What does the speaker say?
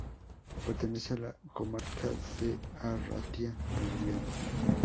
Pertenece a la comarca de Arratia-Nervión.